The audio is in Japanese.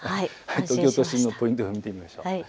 東京都心のポイント予報を見ていきましょう。